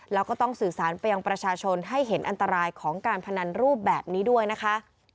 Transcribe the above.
แล้วก็ต้องสื่อสารไปยังประชาชนให้เห็นอันตรายของการพนันรูปแบบนี้ด้วยนะคะ